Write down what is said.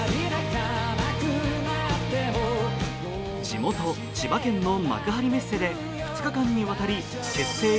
地元・千葉県の幕張メッセで２日間にわたり結成